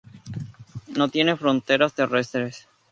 No tiene fronteras terrestres.